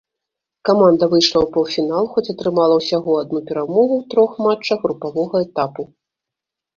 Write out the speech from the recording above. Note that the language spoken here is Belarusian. Каманда выйшла ў паўфінал, хоць атрымала ўсяго адну перамогу ў трох матчах групавога этапу.